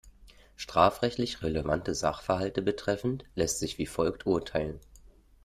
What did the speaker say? Strafrechtlich relevante Sachverhalte betreffend, lässt sich wie folgt urteilen.